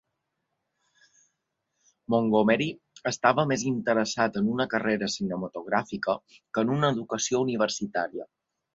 Montgomery estava més interessat en una carrera cinematogràfica que en una educació universitària.